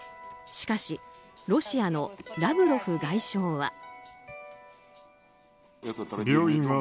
しかしロシアのラブロフ外相は。